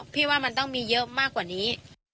พี่ว่ามันต้องมีเยอะมากกว่านี้